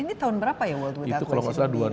ini tahun berapa ya world without waste